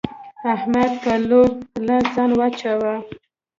احمد په لوی لاس ځان واچاوو.